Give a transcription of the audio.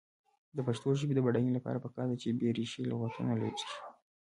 د پښتو ژبې د بډاینې لپاره پکار ده چې بېریښې لغتونه لرې شي.